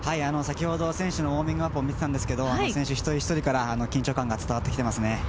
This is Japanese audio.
先ほど選手のウォーミングアップを見ていたんですけど、選手一人一人から緊張感が伝わってきていますね。